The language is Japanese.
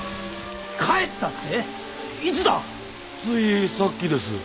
ついさっきです。